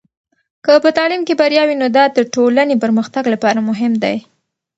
که په تعلیم کې بریا وي، نو دا د ټولنې پرمختګ لپاره مهم دی.